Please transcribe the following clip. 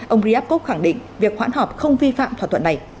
ông ryabkov khẳng định việc khoãn hợp không vi phạm thỏa thuận này